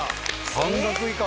半額以下。